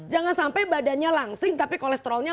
jangan sampai badannya langsing tapi kolesterolnya empat ratus